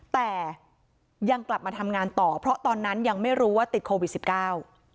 แต่ยังกลับมาทำงานต่อเพราะตอนนั้นยังไม่รู้ว่าติดโควิดสิบเก้า